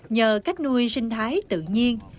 nhờ cách nuôi sinh thái tự nhiên